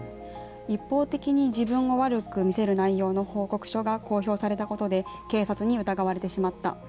一方的に自分を悪く見せる内容の報告書が公表されたことで警察に疑われてしまった。